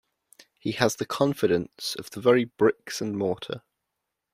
He has the confidence of the very bricks and mortar.